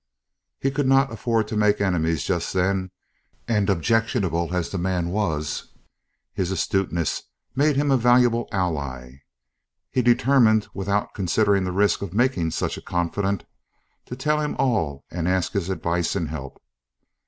He could not afford to make enemies just then, and objectionable as the man was, his astuteness made him a valuable ally; he determined, without considering the risk of making such a confident, to tell him all and ask his advice and help.